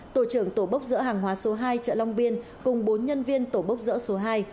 tổ trưởng tổ bốc dỡ hàng hóa số hai chợ long biên cùng bốn nhân viên tổ bốc dỡ số hai